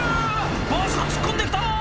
バスが突っ込んできた！